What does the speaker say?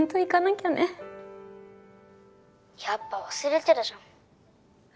やっぱ忘れてたじゃん。